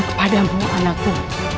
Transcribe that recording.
kepada mu anakku